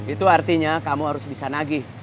itu artinya kamu harus bisa nagih